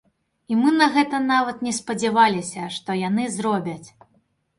І мы на гэта нават не спадзяваліся, што яны зробяць.